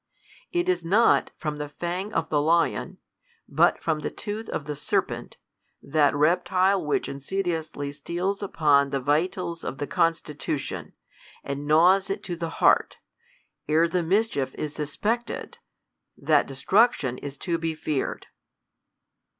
It is not from the fang of the lion, but from the tooth of the serpent, that reptile which insidiously steals upon the vitals of the constitution, and gnaws it to the heart, ere the mis chief is suspected, that destruction is to be feared.